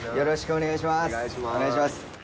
お願いします。